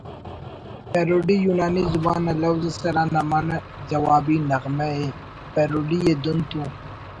پیروڈی یونانی زبان نا لوز اسے ہرانا معنہ ”جوابی نغمہ“ ءِ پیروڈی ءِ دن تو